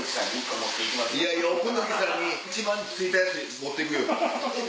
奥貫さんに一番つついたやつ持っていくよ。